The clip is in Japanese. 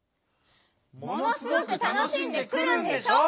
「ものすごくたのしんでくる」んでしょ！